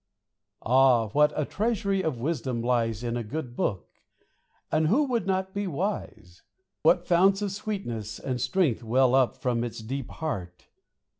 ] Ah, what a treasury of wisdom lies In a good book ! and who would not be wise ? What founts of sweetness and of strength well up From its deep heart